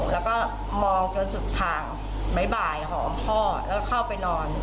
แล้วก็มองจนสุดทางบ๊ายหอมพ่อแล้วก็เข้าไปนอน